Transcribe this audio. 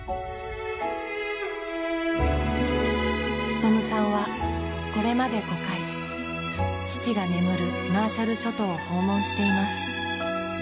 勉さんはこれまで５回父が眠るマーシャル諸島を訪問しています。